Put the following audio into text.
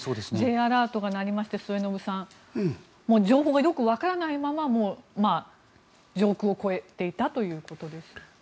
Ｊアラートが鳴りまして末延さん情報がよくわからないままもう上空を越えていたということです。